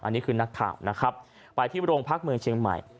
อันนี้คือนักข่าวนะครับไปที่โรงพักเมืองเชียงใหม่